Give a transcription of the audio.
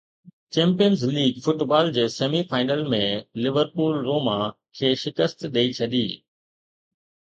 champions league football جي semi final ۾ Liverpool Roma کي شڪست ڏئي ڇڏي